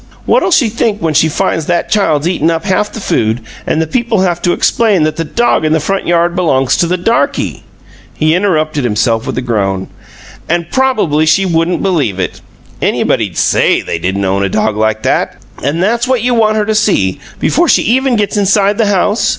What 'll she think when she finds that child's eaten up half the food, and the people have to explain that the dog in the front yard belongs to the darky " He interrupted himself with a groan: "And prob'ly she wouldn't believe it. Anybody'd SAY they didn't own a dog like that! And that's what you want her to see, before she even gets inside the house!